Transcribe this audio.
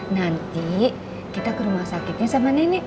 nanti kita ke rumah sakitnya sama nenek